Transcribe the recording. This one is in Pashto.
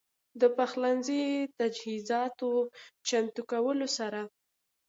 د پخلنځي تجهيزاتو چمتو کولو سره